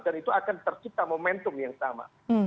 dan itu akan tercipta momentum yang sama